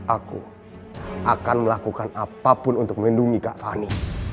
aku akan melakukan apapun untuk melindungi kak fani